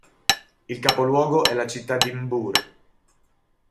Il capoluogo è la città di M'bour.